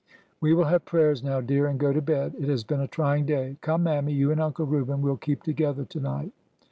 We will have prayers now, dear, and go to bed. It has been a trying day. Come, Mammy, you and Uncle Reuben — we 'll keep together to night.